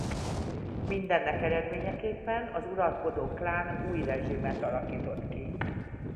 Mindennek eredményeképpen az uralkodó klán új rezsimet alakított ki.